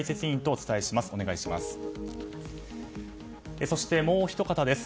お願いします。